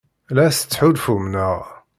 La as-tettḥulfum, naɣ?